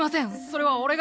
それは俺が。